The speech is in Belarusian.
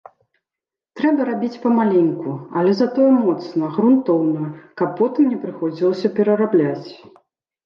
Трэба рабіць памаленьку, але затое моцна, грунтоўна, каб потым не прыходзілася перарабляць.